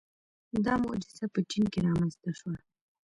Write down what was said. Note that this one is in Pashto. • دا معجزه په چین کې رامنځته شوه.